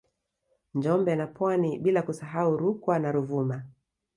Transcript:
Njombe na Pwani bila kusahau Rukwa na Ruvuma